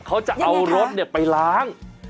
เขาจะเอารถเนี่ยไปล้าง